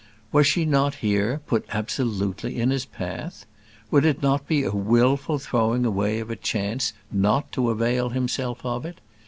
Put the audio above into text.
Was she not here, put absolutely in his path? Would it not be a wilful throwing away of a chance not to avail himself of it?